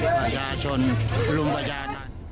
ประชาชนรุมประชา